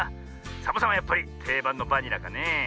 サボさんはやっぱりていばんのバニラかねえ。